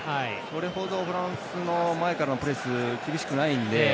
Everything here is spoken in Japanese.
それほどフランスの前からのプレス厳しくないんで。